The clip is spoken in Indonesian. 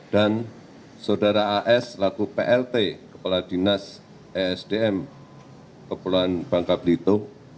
dan saudara as selaku plt kepala dinas esdm kepulauan bangka belitung